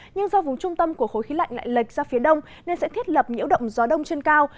nhưng do vùng trung tâm của khối khí lạnh lại lệch ra phía đông nên sẽ thiết lập nhiễu động gió đông trên cao